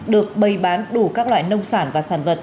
được bày bán đủ các loại nông sản và sản vật